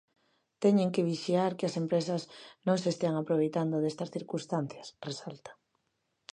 "Teñen que vixiar que as empresas non se estean aproveitando destas circunstancias", resalta.